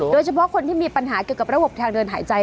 โดยเฉพาะคนที่มีปัญหาเกี่ยวกับระบบทางเดินหายใจ